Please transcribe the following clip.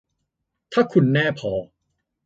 ถ้าคุณแน่พอ